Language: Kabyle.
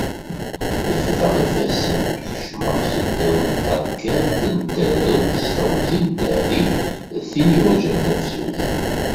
Refdeɣ ifassen kecmeɣ seddaw n tarkiḍṭ n tarawt s teɣzi d tehri n tin yurjan tafsut.